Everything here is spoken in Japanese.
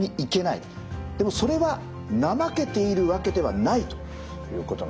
でもそれは怠けているわけではないということなんですね。